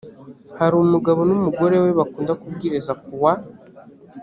hari umugabo n umugore we bakunda kubwiriza kuwa